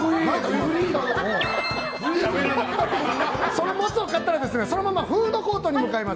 そのモツを買ったらそのままフードコートに向かいます。